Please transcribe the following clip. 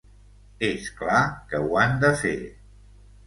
És clar que ho han de fer.